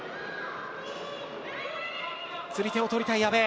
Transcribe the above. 釣り手を取りたい阿部。